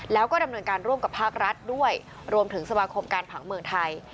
แล้วก็ดำเนินการร่วมกับภาครัฐด้วยรวมถึงสมาคมการผังเมืองไทย